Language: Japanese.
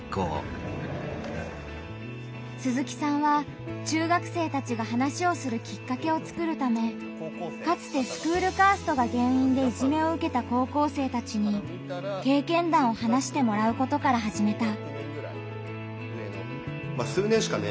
鈴木さんは中学生たちが話をするきっかけを作るためかつてスクールカーストが原因でいじめを受けた高校生たちに経験談を話してもらうことから始めた。